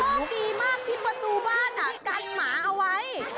โชคดีมากที่ประตูบ้านกันหมาเอาไว้